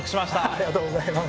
ありがとうございます。